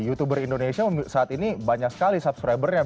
youtuber indonesia saat ini banyak sekali subscribernya